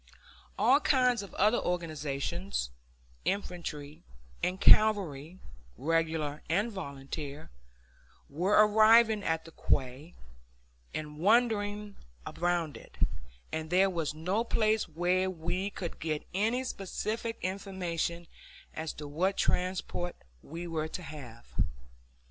All kinds of other organizations, infantry and cavalry, regular and volunteer, were arriving at the quay and wandering around it, and there was no place where we could get any specific information as to what transport we were to have.